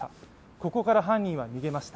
ここから犯人は逃げました。